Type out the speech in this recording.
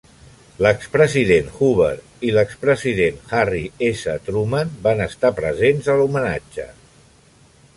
L'expresident Hoover i l'expresident Harry S. Truman van estar presents a l'homenatge.